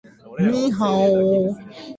きっとよほど偉い人たちが、度々来るんだ